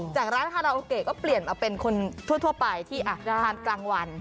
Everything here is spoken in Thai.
จากร้านคาราโอเกะก็เปลี่ยนมาเป็นคนทั่วไปที่ทานกลางวัน